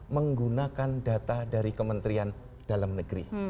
menggunakan data dari kementerian dalam negeri